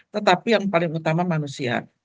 tetapi yang paling utama manusia